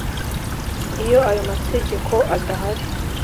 Iyo ayo mategeko adahari